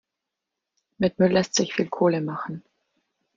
Mit Müll lässt sich viel Kohle machen.